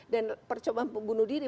dan percobaan bunuh diri